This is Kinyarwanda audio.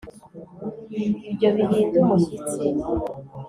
Ibyo bihinda umushyitsi